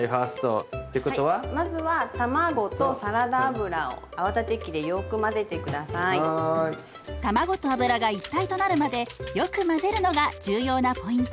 卵と油が一体となるまでよく混ぜるのが重要なポイント。